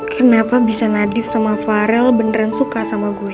kenapa bisa nadif sama farel beneran suka sama gue